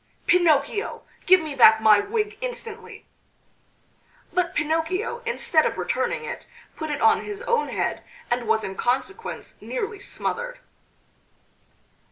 "Pinocchio!... Give me back my wig instantly!" But Pinocchio instead of returning it, put it on his own head, and was in consequence nearly smothered.